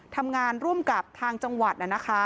ทำงานร่วมกับทางจังหวัดนะคะ